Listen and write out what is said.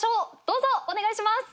どうぞお願いします。